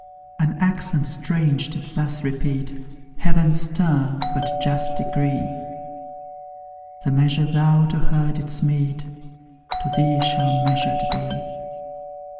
An accent strange did thus repeat Heaven's stern but just decree: "The measure thou to her didst mete, To thee shall measured be!"